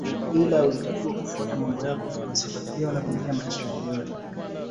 Ila ulitakiwa kufuata mambo yako tu na usifatilie wala kuingilia maisha ya yeyote